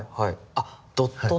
あっドットの。